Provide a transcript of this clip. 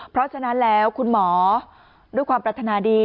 เพราะฉะนั้นแล้วคุณหมอด้วยความปรัฐนาดี